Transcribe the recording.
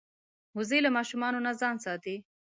وزې له ماشومانو نه ځان ساتي